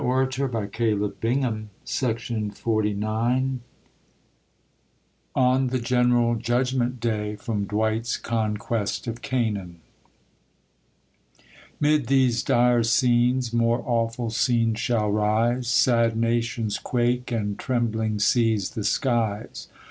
tOw THE COLUMBIAN 0RAT0i4 169 On the general Judgment Day ; from Dwight^s Conquest of Canaan. MID these dire scenes, more awful scenes shall rise ; Sad nations quake, and trembling seize the skies.